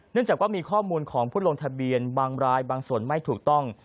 จากว่ามีข้อมูลของผู้ลงทะเบียนบางรายบางส่วนไม่ถูกต้อง